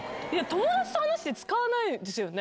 友達と話して使わないですよね？